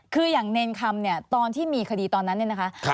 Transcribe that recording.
คืออย่างเนรคำเนี่ยตอนที่มีคดีตอนนั้นเนี่ยนะคะ